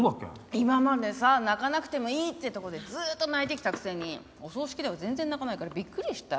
今までさ泣かなくてもいいってとこでずーっと泣いてきたくせにお葬式では全然泣かないからびっくりしたよ。